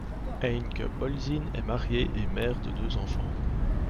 Heinke Polzin est mariée et mère de deux enfants.